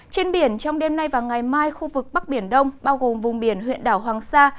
trên biển trong đêm nay và ngày mai khu vực bắc biển đông bao gồm vùng biển huyện đảo hoàng sa